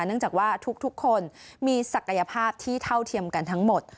เนื่องจากว่าทุกคนมีศักยภาพที่เท่าเทียมกันทั้งหมด